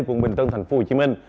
quận bình tân thành phố hồ chí minh